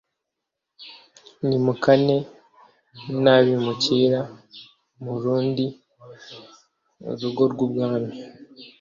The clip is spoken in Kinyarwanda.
nimukane nabimukira murundi rugo rw’umwami"